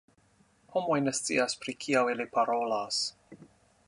Homoj ne scias pri kio ili parolas.